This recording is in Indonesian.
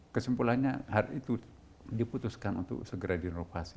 kesimpulannya hal itu diputuskan untuk segera di inovasi